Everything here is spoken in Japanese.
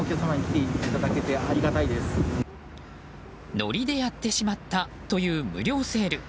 ノリでやってしまったという無料セール。